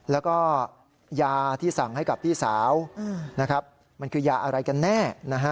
แล้วก็ยาที่สั่งให้กับพี่สาวนะครับมันคือยาอะไรกันแน่